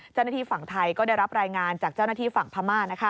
เจ้าหน้าที่ฝั่งไทยก็ได้รับรายงานจากเจ้าหน้าที่ฝั่งพม่า